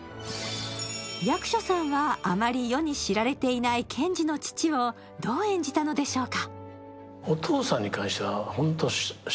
役所さんはあまり世に知られていない賢治の父をどう演じたのでしょうか。